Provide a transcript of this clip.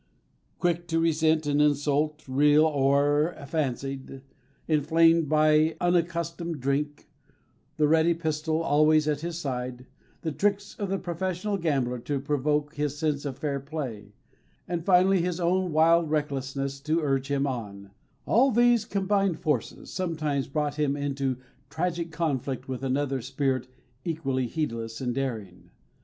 Quick to resent an insult real or fancied, inflamed by unaccustomed drink, the ready pistol always at his side, the tricks of the professional gambler to provoke his sense of fair play, and finally his own wild recklessness to urge him on, all these combined forces sometimes brought him into tragic conflict with another spirit equally heedless and daring.